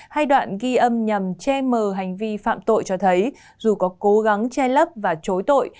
hay đoạn ghi âm nhằm che mờ hành vi phạm tội cho thấy dù có cố gắng che lấp và chối tội